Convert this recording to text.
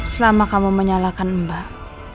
selama kamu menyalahkan mbak